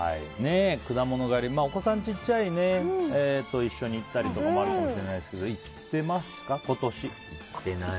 果物狩り、お子さんが小さいと一緒にいったりもあるかもしれないですけど行ってますか、今年。